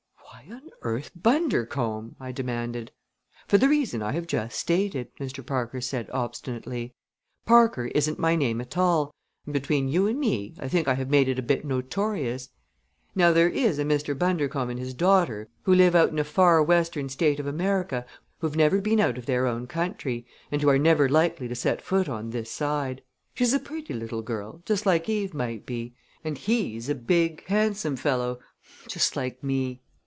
"Why on earth Bundercombe?" I demanded. "For the reason I have just stated," Mr. Parker said obstinately. "Parker isn't my name at all; and, between you and me, I think I have made it a bit notorious. Now there is a Mr. Bundercombe and his daughter, who live out in a far western State of America, who've never been out of their own country, and who are never likely to set foot on this side. She's a pretty little girl just like Eve might be; and he's a big, handsome fellow just like me.